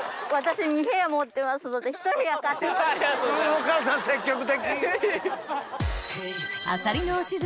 お母さん積極的！